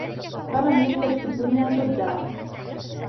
فَلَمْ يَزْدَدْ فِي الدُّنْيَا زُهْدًا